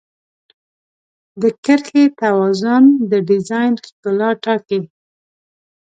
د کرښې توازن د ډیزاین ښکلا ټاکي.